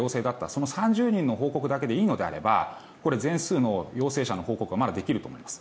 その３０人の報告だけでいいのであればこれ、全数の陽性者の報告はまだできると思います。